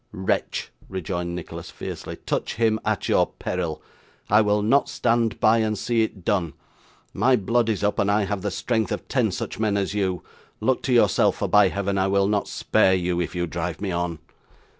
'Wretch,' rejoined Nicholas, fiercely, 'touch him at your peril! I will not stand by, and see it done. My blood is up, and I have the strength of ten such men as you. Look to yourself, for by Heaven I will not spare you, if you drive me on!